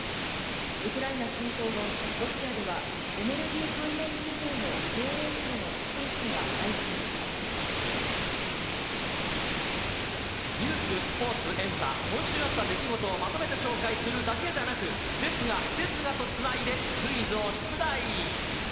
ウクライナ侵攻後、ロシアではエネルギー関連企業の経営者らの不審死が相次いでいまニュース、スポーツ、エンタ、今週あった出来事をまとめて紹介するだけじゃなく、ですが、ですがとつないで、クイズを出題。